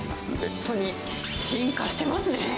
本当に、進化してますね。